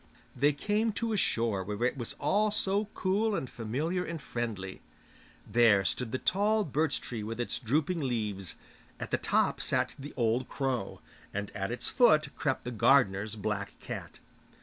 They came to a shore where it was all so cool and familiar and friendly. There stood the tall birch tree with its drooping leaves; at the top sat the old crow, and at its foot crept the gardener's black cat.